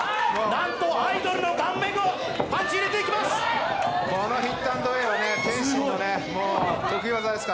なんとアイドルの顔面にパンチ入れていきます。